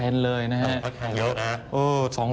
อ๋อค่อนข้างยกนะ